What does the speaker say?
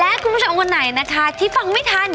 และคุณผู้ชมของกว่าไหนที่ฟังไม่ทัน